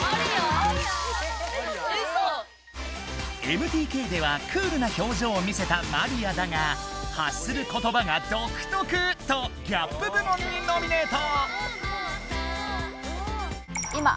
ＭＴＫではクールなひょうじょうを見せたマリアだがはっすることばが独特！とギャップ部門にノミネート。